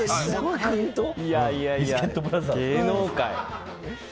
いやいや芸能界。